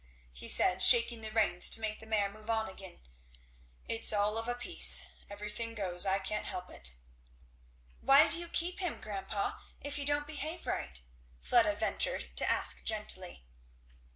said he, shaking the reins to make the mare move on again, "it's all of a piece. Every thing goes I can't help it." "Why do you keep him, grandpa, if he don't behave right?" Fleda ventured to ask gently.